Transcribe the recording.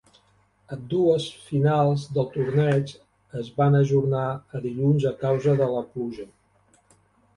Ambdues finals del torneig es van ajornar a dilluns a causa de la pluja.